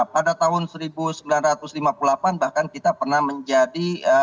pada tahun seribu sembilan ratus lima puluh delapan bahkan kita pernah menjadi